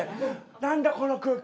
何だこの空気。